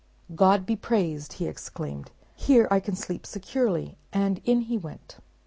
"God be praised," he exclaimed, "here I can sleep securely; and in he went.